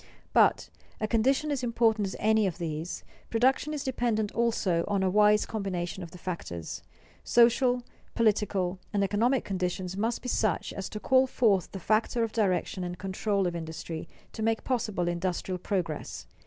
But a condition as important as any of these production is dependent also on a wise combination of the factors. Social, political, and economic conditions must be such as to call forth the factor of direction and control of industry, to make possible industrial progress.